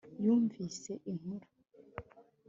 Yumvise inkuru